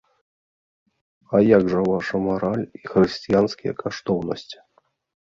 А як жа ваша мараль і хрысціянскія каштоўнасці?